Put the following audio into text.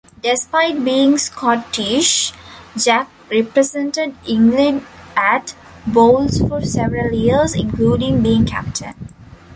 Despite being Scottish, Jack represented England at bowls for several years, including being Captain.